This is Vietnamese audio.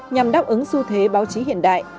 nhằm đáp ứng xu thế báo chí hiện đại